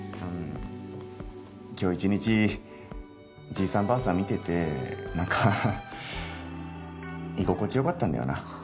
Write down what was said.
今日一日じいさんばあさん見ててなんか居心地良かったんだよな。